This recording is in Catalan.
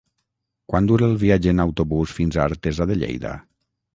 Quant dura el viatge en autobús fins a Artesa de Lleida?